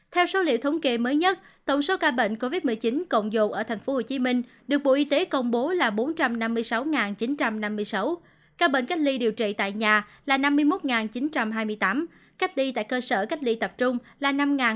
theo số liệu thống kê mới nhất tổng số ca bệnh covid một mươi chín cộng dồ ở tp hcm được bộ y tế công bố là bốn trăm năm mươi sáu chín trăm năm mươi sáu ca bệnh cách ly điều trị tại nhà là năm mươi một chín trăm hai mươi tám cách ly tại cơ sở cách ly tập trung là năm